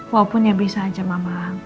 walaupun ya bisa aja mama